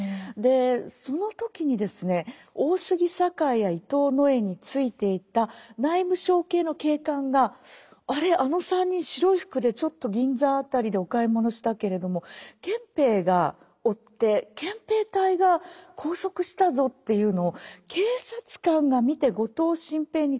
その時にですね大杉栄や伊藤野枝についていた内務省系の警官があれあの３人白い服でちょっと銀座辺りでお買い物したけれども憲兵が追って憲兵隊が拘束したぞっていうのを警察官が見て後藤新平に伝えるんです。